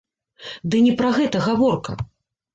Ды не пра гэта гаворка.